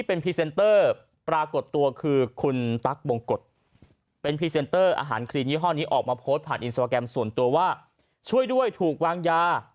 บอกแกรมส่วนตัวว่าช่วยด้วยถูกวางยา